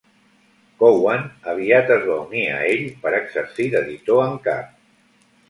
Cowan aviat es va unir a ell per exercir d'editor en cap.